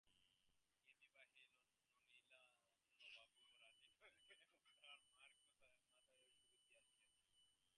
এ বিবাহে নলিনাক্ষবাবুও রাজি নহেন এবং তাঁহার মার মাথায়ও সুবুদ্ধি আসিয়াছে।